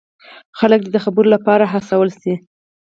خلک دې د خبرو لپاره هڅول شي.